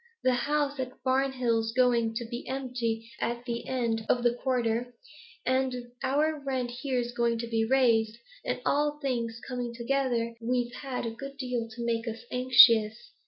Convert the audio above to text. The house at Barnhill's going to be empty at the end of the quarter, and our rent here's going to be raised, and, all things coming together, we've had a good deal to make us anxious.